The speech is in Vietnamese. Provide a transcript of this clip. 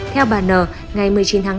theo bà n ngày một mươi chín tháng năm